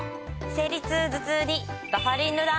生理痛・頭痛にバファリンルナｉ。